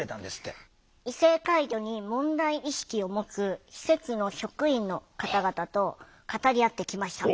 異性介助に問題意識を持つ施設の職員の方々と語り合ってきました。